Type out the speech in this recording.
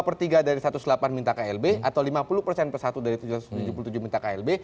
per tiga dari satu ratus delapan minta klb atau lima puluh persen per satu dari tujuh ratus tujuh puluh tujuh minta klb